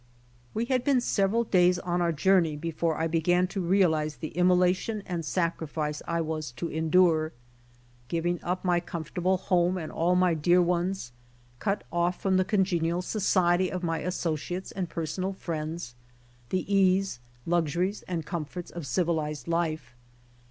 We had been several days on our journey before I began to realize the immolation and sacrifice I was to endure; giving up my comfortable home and all my dear ones, cut off from the congenial society of my associates and personal friends, the ease, luxuries and comforts of civilized life.